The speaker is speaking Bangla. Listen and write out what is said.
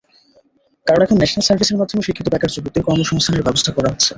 কারণ এখন ন্যাশনাল সার্ভিসের মাধ্যমে শিক্ষিত বেকার যুবকদের কর্মসংস্থানের ব্যবস্থা করা হচ্ছে।